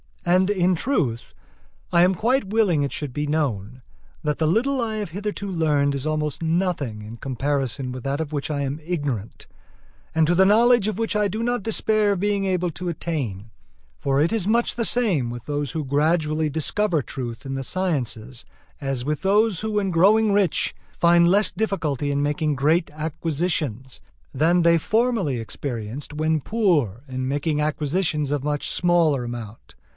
And in truth, I am quite willing it should be known that the little I have hitherto learned is almost nothing in comparison with that of which I am ignorant, and to the knowledge of which I do not despair of being able to attain; for it is much the same with those who gradually discover truth in the sciences, as with those who when growing rich find less difficulty in making great acquisitions, than they formerly experienced when poor in making acquisitions of much smaller amount.